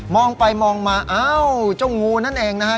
องไปมองมาอ้าวเจ้างูนั่นเองนะฮะ